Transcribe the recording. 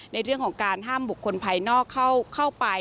ในเรื่องของการห้ามบุคคลภายนอกเข้าไป